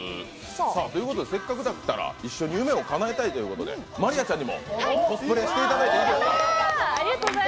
せっかくだったら一緒に夢をかなえたいということで真莉愛ちゃんにもコスプレしていただいていいですか？